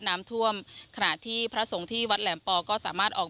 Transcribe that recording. น้ำท่วมขณะที่พระสงฆ์ที่วัดแหลมปอก็สามารถออก